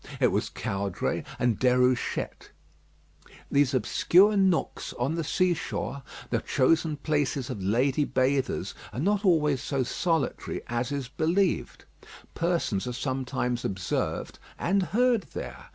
It was Caudray and Déruchette. These obscure nooks on the seashore, the chosen places of lady bathers, are not always so solitary as is believed. Persons are sometimes observed and heard there.